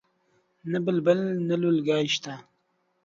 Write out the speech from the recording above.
نه بلبل نه لولکۍ شته